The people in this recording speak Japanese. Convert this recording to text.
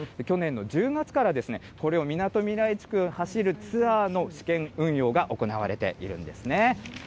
去年の１０月からこれをみなとみらい地区を走るツアーの試験運用が行われているんですね。